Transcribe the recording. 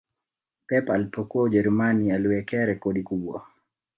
pep alipokuwa ujerumani aliwekea rekodi kubwa